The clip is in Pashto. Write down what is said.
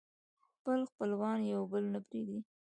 خپل خپلوان يو بل نه پرېږدي